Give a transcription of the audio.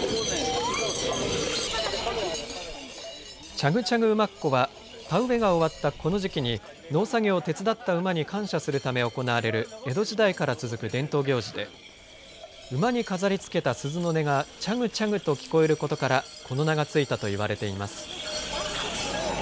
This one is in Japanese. チャグチャグ馬コは田植えが終わったこの時期に農作業を手伝った馬に感謝するために行われる江戸時代から続く伝統行事で馬に飾りつけた鈴の音がチャグチャグと聞こえることからこの名がついたと言われています。